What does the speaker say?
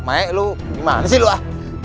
maik lu gimana sih lu ah